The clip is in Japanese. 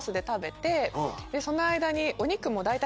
その間に。